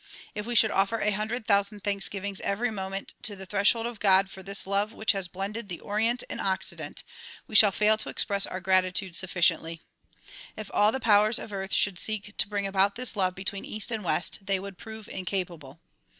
If we should offer a hundred thousand thanksgivings every moment to the threshold of God for this love which has blended the Orient and Occident we shall fail to express our gratitude sufficiently. If all the powers of earth should seek to bring about this love between east and west they would prove incapable.